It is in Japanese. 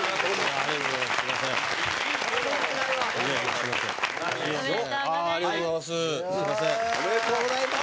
有吉：ありがとうございます。